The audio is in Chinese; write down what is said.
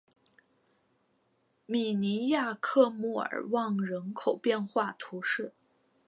米尼亚克莫尔旺人口变化图示